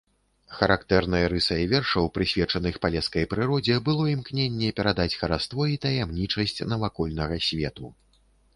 Характэрнай рысай вершаў, прысвечаных палескай прыродзе, было імкненне перадаць хараство і таямнічасць навакольнага свету.